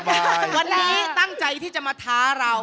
วันนี้ตั้งใจที่จะมาท้าเรา